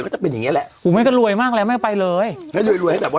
ก็จะเป็นอย่างเงี้แหละหูแม่ก็รวยมากแล้วแม่ไปเลยแม่รวยรวยให้แบบว่า